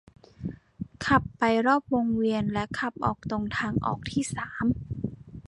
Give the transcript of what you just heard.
ขับไปรอบวงเวียน และขับออกตรงทางออกที่สาม